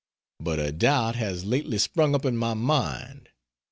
But a doubt has lately sprung up in my mind.